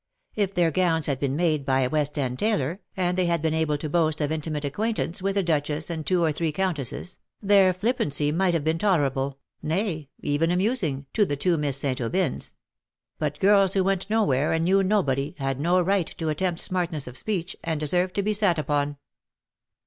If their gowns had been made by a West End tailor, and they had been able to boast of intimate acquaintance with a duchess and two or three countesses, their flippancy might have been tolerable, nay, even amusing, to the two Miss St. Aubyns; but girls who went nowhere and knew nobody, had no right to attempt smartness of speech, and deserved to be sat upon.